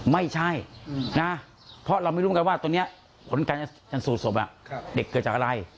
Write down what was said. ไม่ใช่นะเพราะเราไม่รู้กันว่าตัวนี้ผลการสูตรสมอ่ะเด็กเกิดจากอะไร